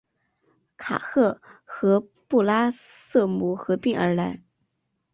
卡赫和布拉瑟姆合并而来。